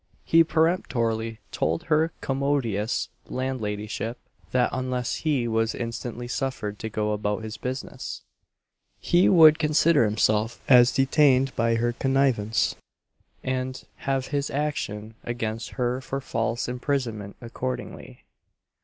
He peremptorily told her commodious landladyship, that unless he was instantly suffered to go about his business, he would consider himself as detained by her connivance, and have his action against her for false imprisonment accordingly.